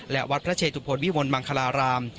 และวัดพระเชตุพลวิมลมังคลาราม